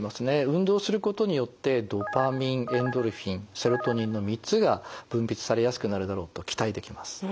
運動することによってドパミンエンドルフィンセロトニンの３つが分泌されやすくなるだろうと期待できます。